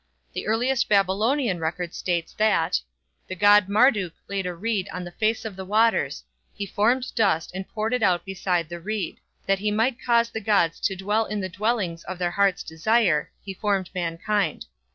The earliest Babylonian record states that: The god Marduk laid a reed on the face of the waters, He formed dust and poured it out beside the reed; That he might cause the gods to dwell in the dwellings of their heart's desire, He formed mankind.